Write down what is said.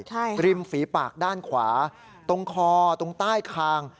ใช่ริมฝีปากด้านขวาตรงคอตรงใต้คาง